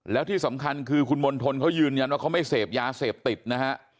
แล้วที่สำคัญคือคุณมณฑลเขายืนยันว่าเขาไม่เสพยาเสพติดนะฮะ